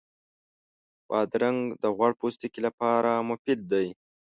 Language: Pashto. بادرنګ د غوړ پوستکي لپاره مفید دی.